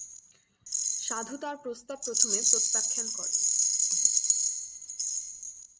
সাধু তাঁর প্রস্তাব প্রথমে প্রত্যাখান করেন।